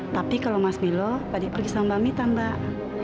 tapi kalau mas milo tadi pergi sama mbak mita mbak